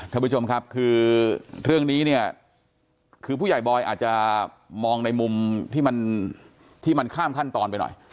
ท่านผู้ชมครับคือเรื่องนี้เนี่ยคือผู้ใหญ่บอยอาจจะมองในมุมที่มันข้ามขั้นตอนไปหน่อย